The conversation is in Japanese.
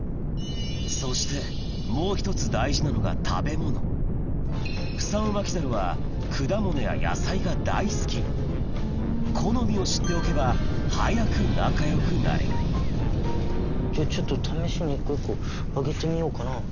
そしてもう１つ大事なのが食べ物フサオマキザルは好みを知っておけば早く仲良くなれるちょっと試しに一個一個あげてみようかな。